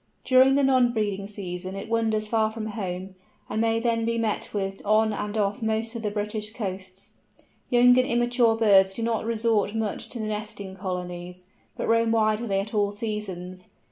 During the non breeding season it wanders far from home, and may then be met with on and off most of the British coasts: young and immature birds do not resort much to the nesting colonies, but roam widely at all seasons.